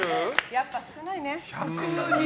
やっぱ少ないね。